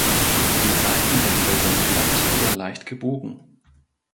Die Seitenwände sind glatt oder leicht gebogen.